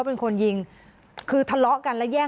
ไม่รู้จริงว่าเกิดอะไรขึ้น